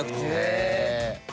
へえ。